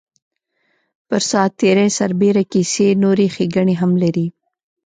پر ساعت تېرۍ سربېره کیسې نورې ښیګڼې هم لري.